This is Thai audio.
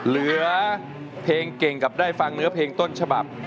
เหลือเพลงเก่งกับได้ฟังเนื้อเพลงต้นฉบับ